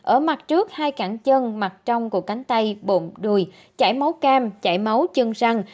ở mặt trước hai cản chân mặt trong của cánh tay bộn đùi chảy máu cam chảy máu chân răng